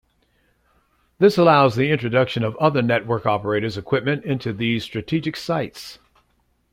This allows the introduction of other network operators' equipment into these strategic sites.